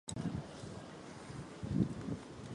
夢を追い求めることが、人生を豊かにする秘訣です。